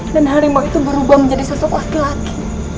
dan harimau itu berubah menjadi sosok laki laki